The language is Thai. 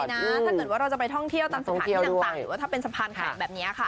ถ้าเกิดว่าเราจะไปท่องเที่ยวตามสถานที่ต่างหรือว่าถ้าเป็นสะพานแข็งแบบนี้ค่ะ